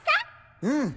うん！